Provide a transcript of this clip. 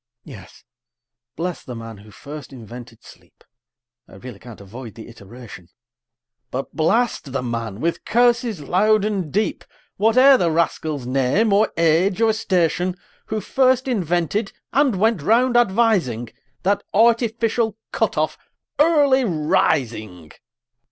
Yes bless the man who first invented sleep, (I really can't avoid the iteration;) But blast the man, with curses loud and deep, Whate'er the rascal's name, or age, or station, Who first invented, and went round advising, That artificial cut off Early Rising!